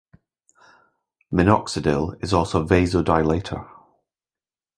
Minoxidil is also a vasodilator.